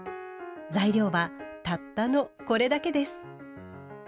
材料はたったのこれだけです。